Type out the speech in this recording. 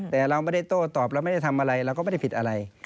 แต่เราไม่ได้โต้ตอบเราไม่ได้ทำอะไรเราก็ไม่ได้ผิดอะไร